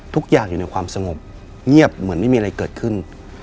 ทุกอย่างอยู่ในความสงบเงียบเหมือนไม่มีอะไรเกิดขึ้น